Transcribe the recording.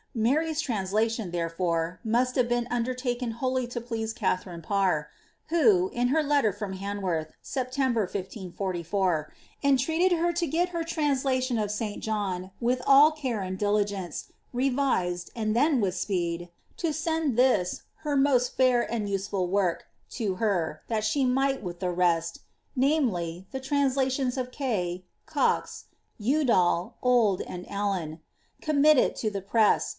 Mary's translation, therefore, must ave been undertaken wholly to please Katharine Parr, who, in her letter from Hanworth, Sept., 1544, entreated her to get her translation of St. John, with all care and diligence, revised, and then, with speed. " to send this, her most fair and useful work,"' to her, that she might, with the rest ^viz., the translations of Kay, Cox, Udal, Old, and .Allen , commit it to the prest?